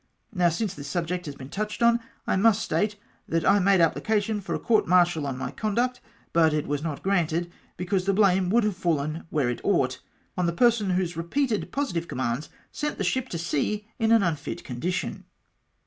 Now, since this subject has been touched on, I must state, that I made application for a court martial on my conduct ; but it was not granted, be cause the blame would have fallen where it ought — on the person whose repeated positive commands sent the ship to sea in an unfit condition.